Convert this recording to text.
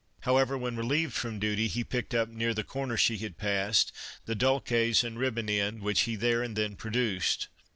However, when relieved from duty, he picked up near the corner she had passed the dulces and ribbon end, which he there and then pro 8 4 The Alcalde's Daughter duced.